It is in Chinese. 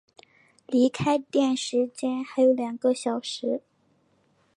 离开店时间还有两个小时